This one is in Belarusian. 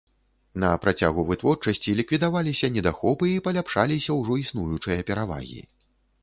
На працягу вытворчасці ліквідаваліся недахопы і паляпшаліся ўжо існуючыя перавагі.